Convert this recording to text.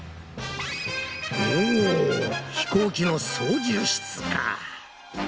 おぉ飛行機の操縦室か。